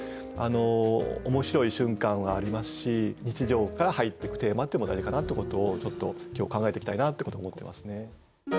すごく日常から入ってくテーマっていうのも大事かなってことをちょっと今日考えていきたいなってことを思ってますね。